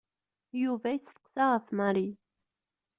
Yuba yesteqsa ɣef Mary.